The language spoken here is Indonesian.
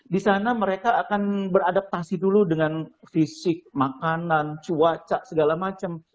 di sana mereka akan beradaptasi dulu dengan fisik makanan cuaca segala macam